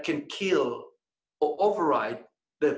yang bisa membunuh atau menggabungkan